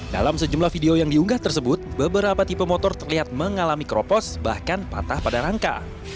dalam sejumlah video yang diunggah tersebut beberapa tipe motor terlihat mengalami keropos bahkan patah pada rangka